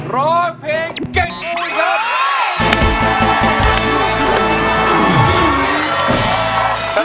ร้องเพลงเก่งของคุณช้าง